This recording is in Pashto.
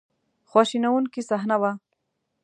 خواشینونکې صحنه وه.